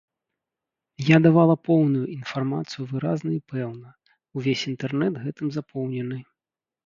Я давала поўную інфармацыю выразна і пэўна, увесь інтэрнэт гэтым запоўнены.